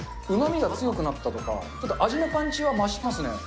うまみが強くなったとか、ただ味のパンチは増してますね。